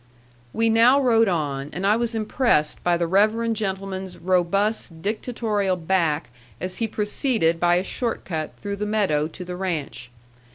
We now rode on, and I was impressed by the reverend gentleman's robust, dictatorial back as he proceeded by a short cut through the meadow to the ranch.